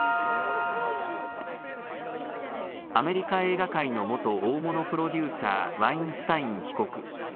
アメリカ映画界の元大物プロデューサー、ワインスタイン被告。